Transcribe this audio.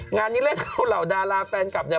งานนี้เลยเอาเหล่าดาราแฟนคลับเนี่ย